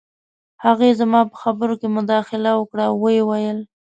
هغې زما په خبرو کې مداخله وکړه او وویې ویل